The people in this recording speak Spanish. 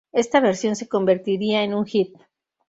Esta versión se convertiría en un hit.